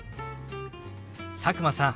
佐久間さん